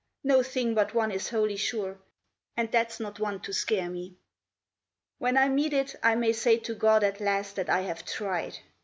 No thing but one is wholly sure, and that's not one to scare me; When I meet it I may say to God at last that I have tried.